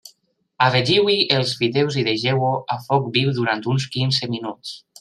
Afegiu-hi els fideus i deixeu-ho a foc viu durant uns quinze minuts.